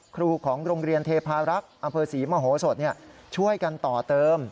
ครูของโรงเรียนเทพารักษ์อำเภอศรีมโหสดช่วยกันต่อเติม